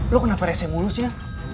lo kenapa rese mulus ya